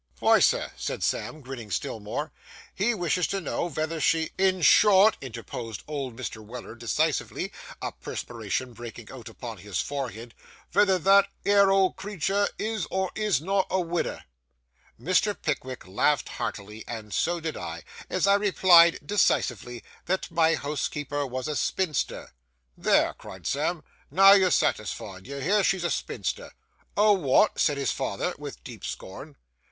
'Vy, sir,' said Sam, grinning still more, 'he wishes to know vether she—' 'In short,' interposed old Mr. Weller decisively, a perspiration breaking out upon his forehead, 'vether that 'ere old creetur is or is not a widder.' Mr. Pickwick laughed heartily, and so did I, as I replied decisively, that 'my housekeeper was a spinster.' 'There!' cried Sam, 'now you're satisfied. You hear she's a spinster.' 'A wot?' said his father, with deep scorn.